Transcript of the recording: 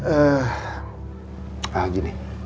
eh ah gini